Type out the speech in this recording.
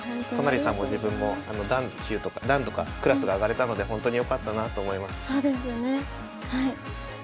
都成さんも自分も段級とか段とかクラスが上がれたのでほんとによかったなと思います。